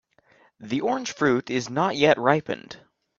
The orange fruit is not yet ripened.